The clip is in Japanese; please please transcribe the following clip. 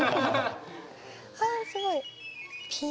あすごい。